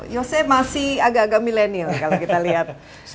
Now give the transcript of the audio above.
yose masih agak agak milenial kalau kita lihat